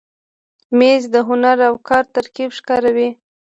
مېز د هنر او کار ترکیب ښکاروي.